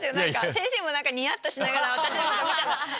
先生もニヤっとしながら私の方を見た。